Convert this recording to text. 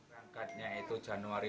rangkatnya itu januari dua ribu empat belas